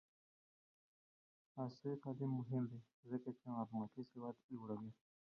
عصري تعلیم مهم دی ځکه چې معلوماتي سواد لوړوي.